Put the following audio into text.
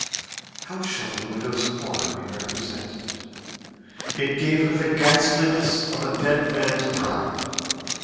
How shall the widow's horror be represented? It gave her the ghastliness of a dead man's bride.